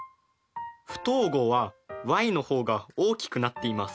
不等号はｙの方が大きくなっています。